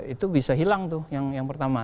itu bisa hilang tuh yang pertama